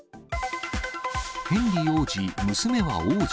ヘンリー王子、娘は王女。